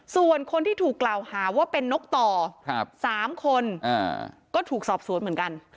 ส่วนคนที่ถูกกล่าวหาว่าเป็นนกต่อ๓คนก็ถูกสอบสวนเหมือนกัน